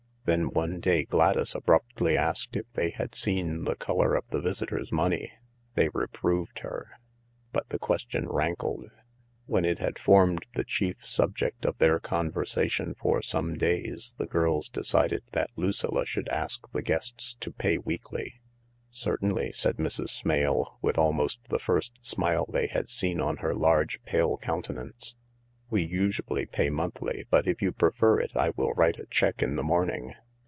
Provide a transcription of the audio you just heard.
Then one day Gladys abruptly asked if they had seen the colour of the visitors' money. They reproved her. But the question rankled. When it had formed the chief subject of their conversation for some days the girls decided that Lucilla should ask the guests to pay weekly. " Certainly," said Mrs. Smale, with almost the first smile they had seen on her large, pale countenance. " We usually pay monthly, but if you prefer it I will write a cheque in the morning."